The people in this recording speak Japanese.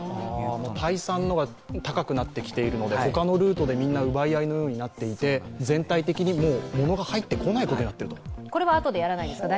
タイ産が高くなってきているで、他のルートで奪い合いになっていて全体的に、もう物が入ってこないことになっていると。